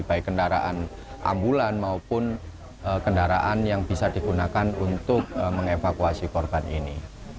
baik kendaraan ambulan maupun kendaraan yang bisa digunakan untuk mengevakuasi korban ini